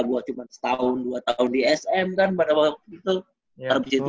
gue cuma setahun dua tahun di sm kan pada waktu itu habis itu